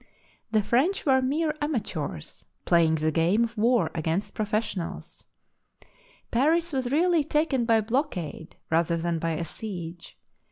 The French were mere amateurs playing the game THE SIEGE OF PARIS of war against professionals. Paris was really taken by blockade rather than by a siege.